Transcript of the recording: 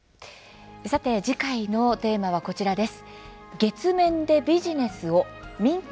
さて、次回のテーマはこちらです。